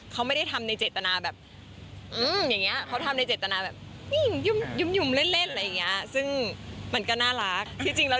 เป็นเหมือนเค้าจะหยิบแล้วกัน